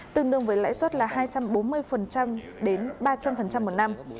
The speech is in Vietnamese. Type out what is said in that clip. tương đương với lãi suất là hai trăm bốn mươi đến ba trăm linh một năm